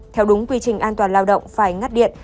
theo đúng quy trình an toàn lao động phải ngắt điện